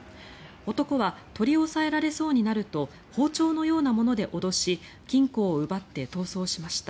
男は取り押さえられそうになると包丁のようなもので脅し金庫を奪って逃走しました。